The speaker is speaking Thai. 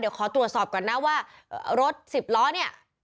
เดี๋ยวขอตรวจสอบก่อนนะว่ารถสิบล้อเนี่ย